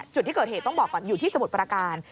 จุดที่เกิดเหตุต้องบอกก่อนอยู่ที่สมุทรประการ